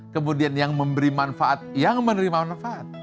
kemudian yang memberi manfaat yang menerima manfaat